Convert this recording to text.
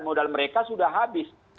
modal mereka sudah habis